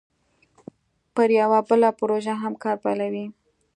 پر یوه بله پروژه هم کار پیلوي